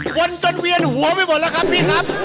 วนจนเวียนหัวไปหมดแล้วครับพี่ครับ